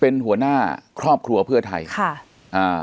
เป็นหัวหน้าครอบครัวเพื่อไทยค่ะอ่า